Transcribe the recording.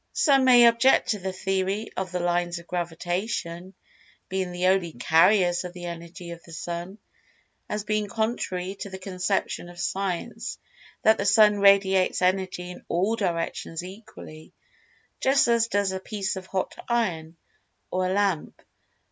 Some may object to the Theory of the Lines of Gravitation being the only "carriers" of the Energy of the Sun, as being contrary to the conception of Science that the Sun radiates Energy in all directions equally, just as does a piece of hot iron, or a lamp.